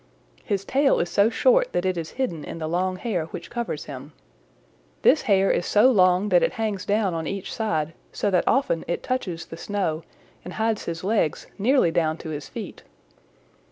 His tail is so short that it is hidden in the long hair which covers him. "This hair is so long that it hangs down on each side so that often it touches the snow and hides his legs nearly down to his feet.